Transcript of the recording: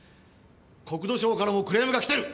国土省からもクレームが来てる！